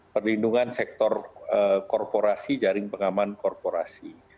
perlindungan sektor korporasi jaring pengaman korporasi